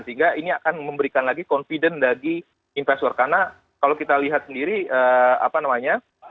sehingga ini akan memberikan lagi confident bagi investor karena kalau kita lihat sendiri apa namanya